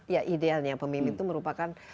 ya idealnya pemimpin itu merupakan